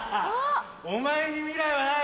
お前に未来はない！